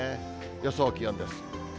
予想気温です。